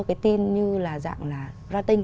cái tin như là dạng là ra tin